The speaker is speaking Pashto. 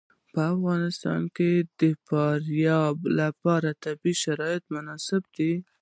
په افغانستان کې د فاریاب لپاره طبیعي شرایط مناسب دي.